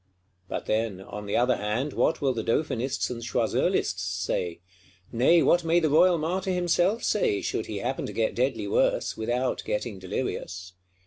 But then, on the other hand, what will the Dauphinists and Choiseulists say? Nay what may the royal martyr himself say, should he happen to get deadly worse, without getting delirious?